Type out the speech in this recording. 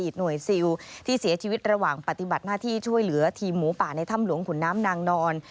หน่วยซิลที่เสียชีวิตระหว่างปฏิบัติหน้าที่ช่วยเหลือทีมหมูป่าในถ้ำหลวงขุนน้ำนางนอน